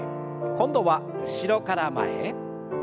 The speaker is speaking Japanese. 今度は後ろから前へ。